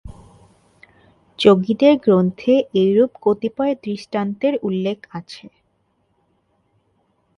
যোগীদের গ্রন্থে এইরূপ কতিপয় দৃষ্টান্তের উল্লেখ আছে।